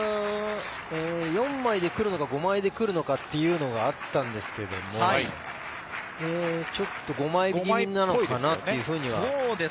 ４枚でくるのか、５枚でくるのかというのがあったんですけど、ちょっと５枚気味なのかなというふうには。